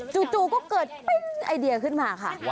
จู่ก็เกิดปิ๊งไอเดียขึ้นมาค่ะ